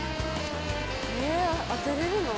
ええっ当てれるの？